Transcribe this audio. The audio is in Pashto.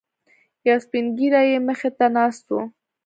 یو سپینږیری یې مخې ته ناست و.